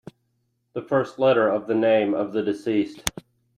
The first letter of the name of the deceased.